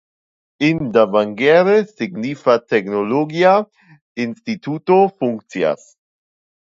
En Davangere signifa teknologia instituto funkcias.